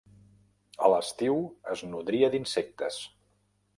A l'estiu es nodria d'insectes.